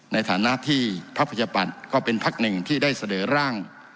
ในฐานะที่พักประชาปัตย์ก็เป็นพักหนึ่งที่ได้เสนอร่าง